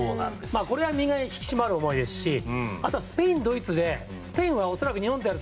これは身が引き締まる思いですしあとはスペイン、ドイツでスペインは恐らく日本と戦う